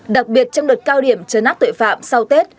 đặc biệt trong đợt cao điểm trấn áp tuệ phạm sau tết